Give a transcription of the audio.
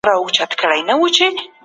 روښانه فکر هدف نه دروي.